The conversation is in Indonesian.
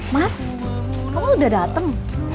mas kamu udah datang